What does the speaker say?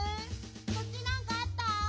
そっちなんかあった？